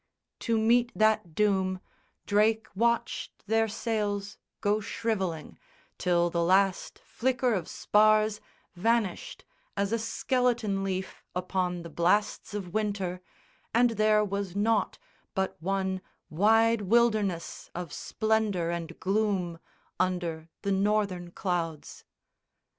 To meet that doom Drake watched their sails go shrivelling, till the last Flicker of spars vanished as a skeleton leaf Upon the blasts of winter, and there was nought But one wide wilderness of splendour and gloom Under the northern clouds.